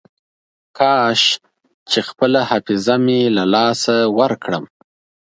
کاش چې خپله حافظه مې له لاسه ورکړم.